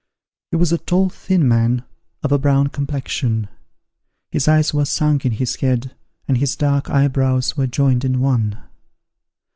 He was a tall thin man, of a brown complexion; his eyes were sunk in his head, and his dark eyebrows were joined in one.